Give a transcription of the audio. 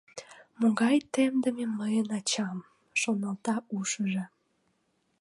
«Могай темдыме мыйын ачам», — шоналта ушыжо.